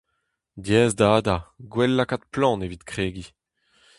Diaes da hadañ, gwell lakaat plant evit kregiñ.